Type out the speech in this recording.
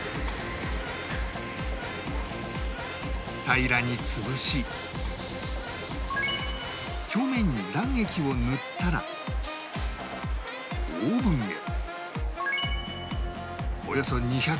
平らに潰し表面に卵液を塗ったらオーブンへ